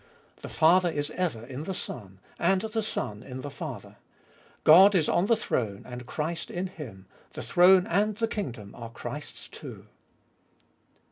The Father is ever in the Son, and the Son in the Father. God is on the throne and Christ in Him : the throne and the kingdom are Christ's too.